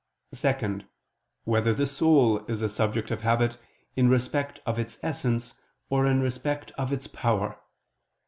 (2) Whether the soul is a subject of habit, in respect of its essence or in respect of its power?